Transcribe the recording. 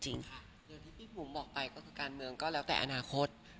อย่างที่พี่บุ๋มบอกไปก็คือการเมืองก็แล้วแต่อนาคต